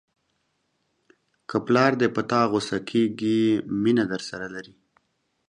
که پلار دې په تا غوسه کېږي مینه درسره لري.